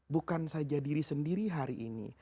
bukan saja diri sendiri hari ini